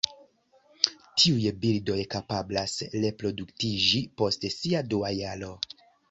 Tiuj birdoj kapablas reproduktiĝi post sia dua jaro.